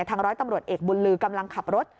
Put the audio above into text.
ร้อยตำรวจเอกบุญลือกำลังขับรถ